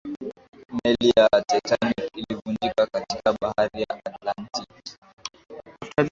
meli ya titanic ilivunjika katika bahari ya atlantiki